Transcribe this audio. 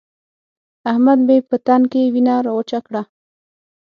احمد مې په تن کې وينه راوچه کړه.